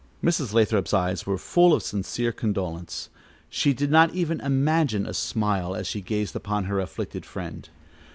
Mrs. Lathrop's eyes were full of sincere condolence; she did not even imagine a smile as she gazed upon her afflicted friend.